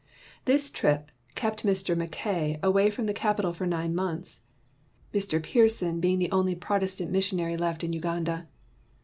This trip kept Mr. Mackay away from the capital for nine months, Mr. Pearson being the only Protest ant missionary left in Uganda.